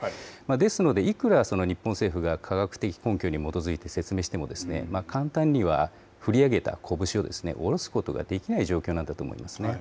ですので、いくら日本政府が科学的根拠に基づいて説明しても、簡単には振り上げた拳を下ろすことができない状況なんだと思うんですね。